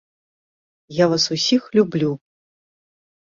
Я вас усіх люблю.